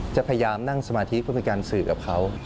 จะพยายามนั่งสมาธิเพื่อเป็นการสื่อกับเขา